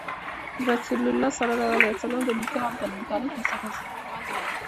رسول الله ﷺ د نیکه عبدالمطلب تر سرپرستۍ لاندې و.